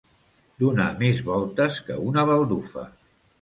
Donar més voltes que una baldufa.